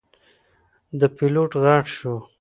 د پیلوټ غږ شو.